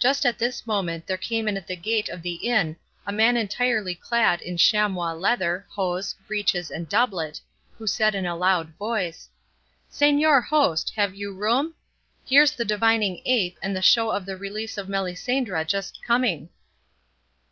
Just at this moment there came in at the gate of the inn a man entirely clad in chamois leather, hose, breeches, and doublet, who said in a loud voice, "Señor host, have you room? Here's the divining ape and the show of the Release of Melisendra just coming."